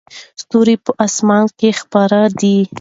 ستوري په اسمان کې خپاره دي.